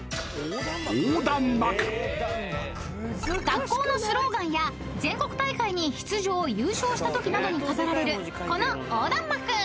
［学校のスローガンや全国大会に出場優勝したときなどに飾られるこの横断幕］